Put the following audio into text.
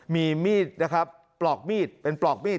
มีมีดนะครับปลอกมีดเป็นปลอกมีด